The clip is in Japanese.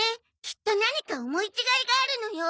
きっと何か思い違いがあるのよ。